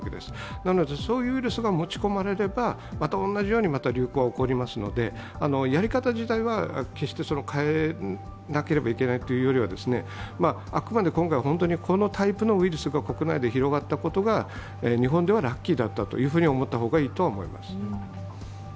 なので、そういうウイルスが持ち込まれれば同じように流行が起こりますので、やり方自体は変えなければいけないということではなくて、あくまで今回本当にこのタイプのウイルスが国内で広がったことが日本ではラッキーだったと思った方がいいと思います。